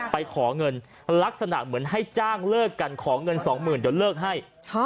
ไปขอเงินลักษณะเหมือนให้จ้างเลิกกันขอเงินสองหมื่นเดี๋ยวเลิกให้